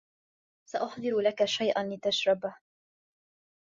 ساُحضِر لكَ شيئاُ لتشربهُ.